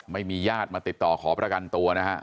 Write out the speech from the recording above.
ไม่มีญาติมาติดต่อขอประกันตัวนะฮะ